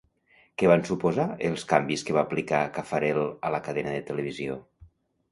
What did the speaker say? Què van suposar els canvis que va aplicar Caffarel a la cadena de televisió?